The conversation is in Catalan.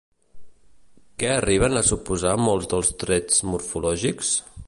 Què arriben a suposar molts dels trets morfològics?